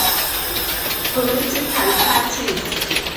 Political parties